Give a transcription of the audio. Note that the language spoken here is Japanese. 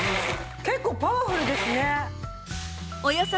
結構パワフルですね。